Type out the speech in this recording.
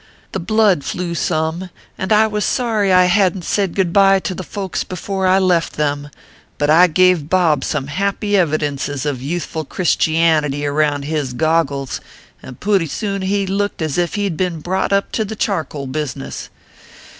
The blood flu some, and I was sorry I hadn t said good bye to the folks before I left them ; but I gave Bob some happy evidences of youthful Christianity around his goggles, .and pooty soon he looked as ef he d been brought up to the charcoal business.